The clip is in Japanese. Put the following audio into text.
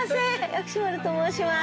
薬師丸と申します。